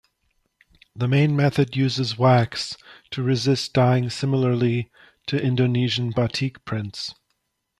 The main method uses wax to resist dyeing similarly to Indonesian batik prints.